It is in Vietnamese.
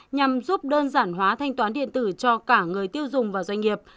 nhằm giúp đơn giản hóa thanh toán điện tử cho cả người tiêu dùng và doanh nghiệp